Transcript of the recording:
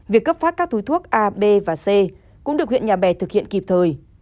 việc cấp phát các túi thuốc a b và c cũng được huyện nhà bè thực hiện kịp thời